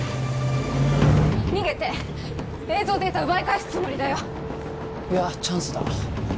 逃げて！映像データ奪い返すつもりだよいやチャンスだ